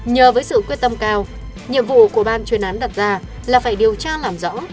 nhờ với sự quyết tâm cao nhiệm vụ của ban chuyên án đặt ra là phải điều tra làm rõ